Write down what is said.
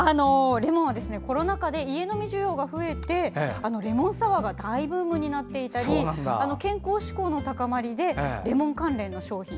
レモンはコロナ禍で家飲み需要が増えて、レモンサワーが大ブームになっていたり健康志向の高まりでレモン関連の商品